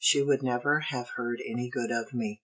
"She would never have heard any good of me.